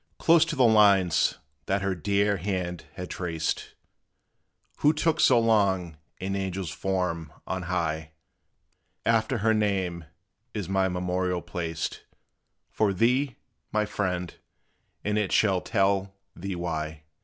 Close to the lines that her dear hand had traced, Who took so soon an angel's form on high After her name is my memorial placed For thee, my friend, and it shall tell thee why.